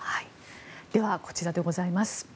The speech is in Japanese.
では、こちらでございます。